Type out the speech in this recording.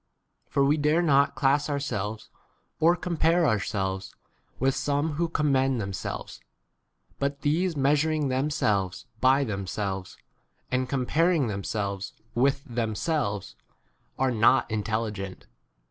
For we dare not class ourselves or compare ourselves with some who commend them selves ; but these measuring themselves by themselves, and comparing themselves with them 13 selves, are not intelligent.